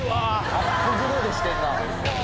アップグレードしてるな。